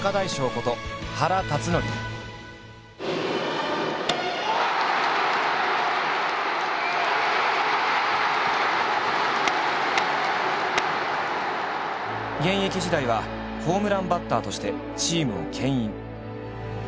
こと現役時代はホームランバッターとしてチームをけん引。